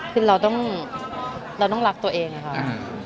คือเราต้องเราต้องรักตัวเองอะค่ะ